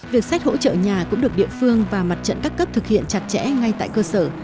việc xét hỗ trợ nhà cũng được địa phương và mặt trận các cấp thực hiện chặt chẽ ngay tại cơ sở